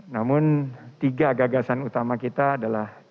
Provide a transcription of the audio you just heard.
namun tiga gagasan utama kita adalah